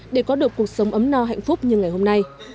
để có được cuộc sống ấm no hạnh phúc như ngày hôm nay